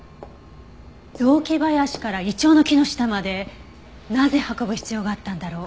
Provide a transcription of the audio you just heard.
雑木林からイチョウの木の下までなぜ運ぶ必要があったんだろう？